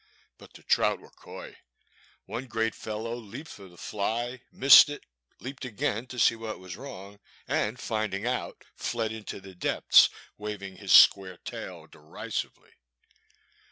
But the trout were coy. One great fellow leaped for the fly, missed it, leaped again to see what was wrong, and find ing out, fled into the depths, waving his square tail derisively.